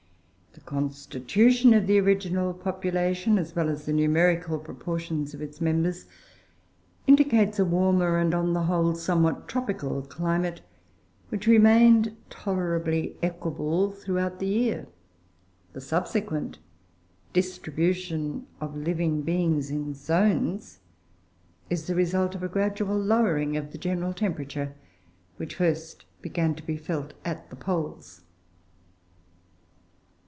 The constitution of the original population, as well as the numerical proportions of its members, indicates a warmer and, on the whole, somewhat tropical climate, which remained tolerably equable throughout the year. The subsequent distribution of living beings in zones is the result of a gradual lowering of the general temperature, which first began to be felt at the poles.